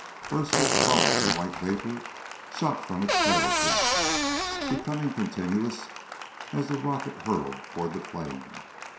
Bursts of smoke and white vapor shot from its tail jets, becoming continuous as the rocket hurtled toward the plain.